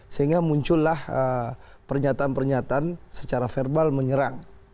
sehingga muncullah pernyataan pernyataan secara verbal menyerang